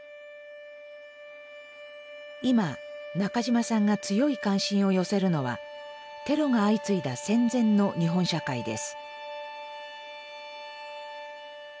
今中島さんが強い関心を寄せるのはテロが相次いだ戦前の日本社会です。